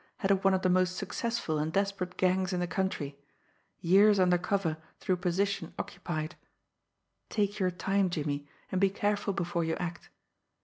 head of one of the most successful and desperate gangs in the country ... years under cover through position occupied ... take your time, Jimmie, and be careful before you act